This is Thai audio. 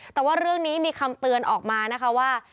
แต่ว่าเรื่องนี้มีคำเตือนออกมานะคะว่า